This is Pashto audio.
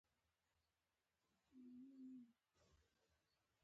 هغې له مانه په مینه وپوښتل: اوس څنګه احساس کوې؟